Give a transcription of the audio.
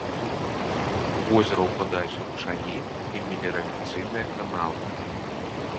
У возера ўпадаюць ручаі і меліярацыйныя каналы.